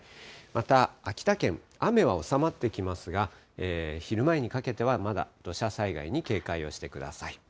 また、秋田県、雨は収まってきますが、昼前にかけてはまだ土砂災害に警戒をしてください。